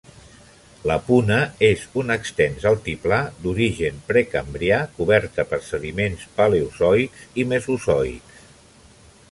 La puna és un extens altiplà d'origen precambrià, coberta per sediments paleozoics i mesozoics.